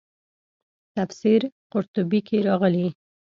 تفسیر قرطبي کې راغلي.